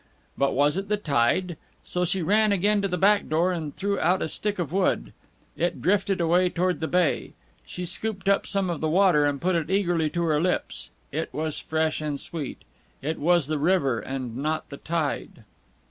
But was it the tide? So she ran again to the back door, and threw out a stick of wood. It drifted away toward the bay. She scooped up some of the water and put it eagerly to her lips. It was fresh and sweet. It was the river, and not the tide!